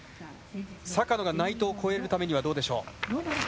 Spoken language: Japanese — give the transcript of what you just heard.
坂野が内藤を超えるためにはどうでしょう？